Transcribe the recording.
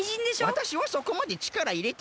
わたしはそこまでちからいれてないよ。